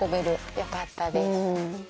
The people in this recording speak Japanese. よかったです。